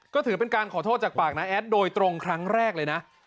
ก็ถือเป็นการขอโทษจากปากน้าแอดโดยตรงครั้งแรกเลยนะ